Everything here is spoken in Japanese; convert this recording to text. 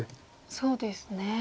そうですね。